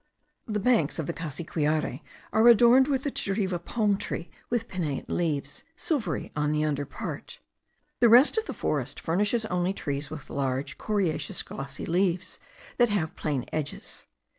The banks of the Cassiquiare are adorned with the chiriva palm tree with pinnate leaves, silvery on the under part. The rest of the forest furnishes only trees with large, coriaceous, glossy leaves, that have plain edges.